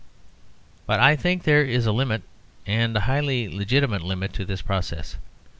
But I think there is a limit, and a highly legitimate limit, to this process.